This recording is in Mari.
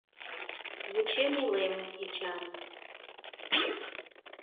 Вучен илем, Эчан.